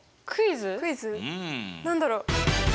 何だろう？